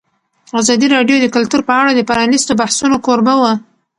ازادي راډیو د کلتور په اړه د پرانیستو بحثونو کوربه وه.